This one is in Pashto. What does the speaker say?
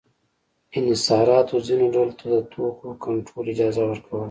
انحصاراتو ځینو ډلو ته د توکو کنټرول اجازه ورکوله.